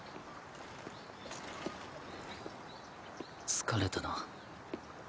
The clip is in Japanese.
疲れたな。